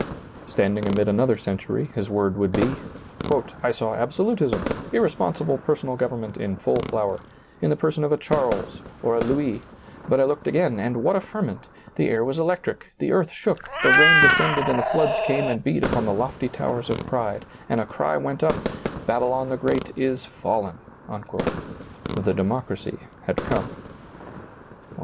Standing amid another century, his word would be, "I saw absolutism, irresponsible per sonal government in full flower, in the person of a Charles or a Louis ; but I looked again, and what a ferment; the air was electric, the earth shook, the rain descended and the floods came and beat upon the lofly towers of pride, and a cry went up, Babylon the great is fallen I " The Democracy had come.